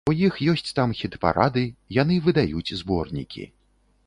У іх ёсць там хіт-парады, яны выдаюць зборнікі.